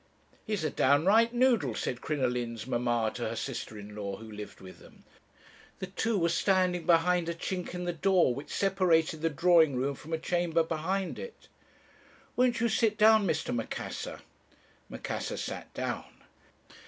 "'He's a downright noodle,' said Crinoline's mamma to her sister in law, who lived with them. The two were standing behind a chink in the door, which separated the drawing room from a chamber behind it. "'Won't you sit down, Mr. Macassar?' Macassar sat down.